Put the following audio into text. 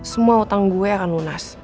semua utang gue akan lunas